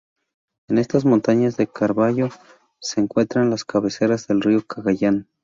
En estas montañas de Caraballo se encuentran las cabeceras del río Cagayán.